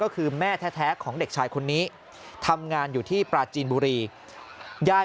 ก็คือแม่แท้ของเด็กชายคนนี้ทำงานอยู่ที่ปราจีนบุรียาย